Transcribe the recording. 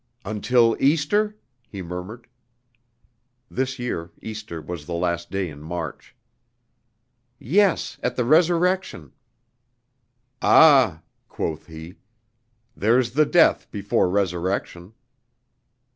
"Until Easter?" he murmured. (This year Easter was the last day in March.) "Yes, at the Resurrection." "Ah," quoth he, "there's the Death before Resurrection."